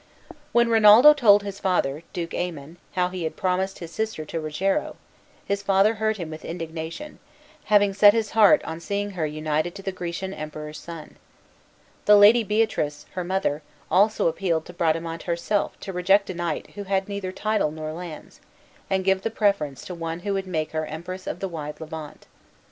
When Rinaldo told his father, Duke Aymon, how he had promised his sister to Rogero, his father heard him with indignation, having set his heart on seeing her united to the Grecian Emperor's son. The Lady Beatrice, her mother, also appealed to Bradamante herself to reject a knight who had neither title nor lands, and give the preference to one who would make her Empress of the wide Levant.